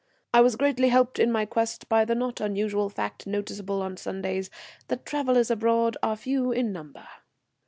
I was greatly helped in my quest by the not unusual fact noticeable on Sundays, that travellers abroad are few in number.